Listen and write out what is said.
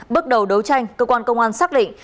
bước đầu đấu tranh cơ quan công an xác định